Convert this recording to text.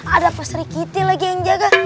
ada peseri kitty lagi yang jaga